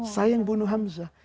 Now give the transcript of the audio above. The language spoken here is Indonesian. sayang bunuh hamzah